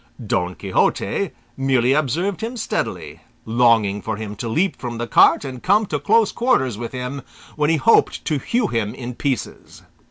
Don Quixote merely observed him steadily, longing for him to leap from the cart and come to close quarters with him, when he hoped to hew him in pieces.